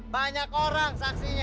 banyak orang saksinya